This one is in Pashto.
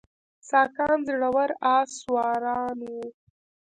ساکان زړور آس سواران وو